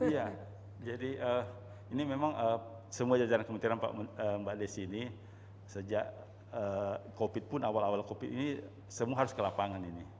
iya jadi ini memang semua jajaran kementerian mbak desi ini sejak covid pun awal awal covid ini semua harus ke lapangan ini